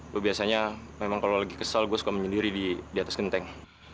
gue biasanya memang kalau lagi kesal gue suka menyendiri di atas genteng